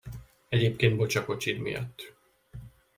Egyébként bocs a kocsid miatt.